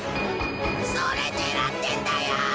それ狙ってんだよ！